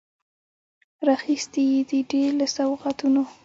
راخیستي یې دي، ډیر له سوغاتونو